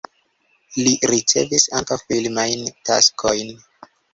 Li ricevis ankaŭ filmajn taskojn.